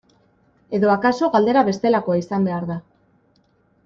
Edo akaso galdera bestelakoa izan behar da.